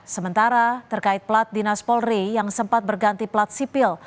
sementara terkait plat dinas polri yang sempat berganti plat sipil